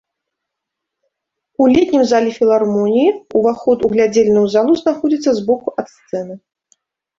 У летнім зале філармоніі ўваход у глядзельную залу знаходзіцца збоку ад сцэны.